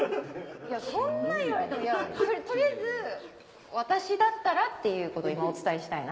そんなん言われても取りあえず私だったらっていうことは今お伝えしたいな。